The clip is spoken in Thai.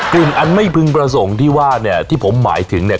อันไม่พึงประสงค์ที่ว่าเนี่ยที่ผมหมายถึงเนี่ย